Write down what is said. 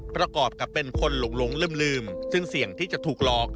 ประกอบกับเป็นคนหลงลืมซึ่งเสี่ยงที่จะถูกหลอก